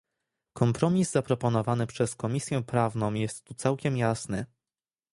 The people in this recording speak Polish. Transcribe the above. Kompromis zaproponowany przez Komisję Prawną jest tu całkiem jasny